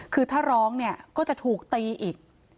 คือถ้าร้องเนี่ยก็จะถูกตีอีก